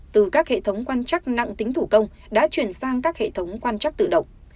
từ các hệ thống quan trắc nặng tính thủ công đã chuyển sang các hệ thống quan chắc tự động